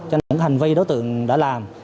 cho những hành vi đối tượng đã làm